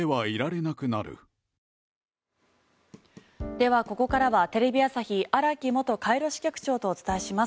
ではここからはテレビ朝日荒木元カイロ支局長とお伝えします。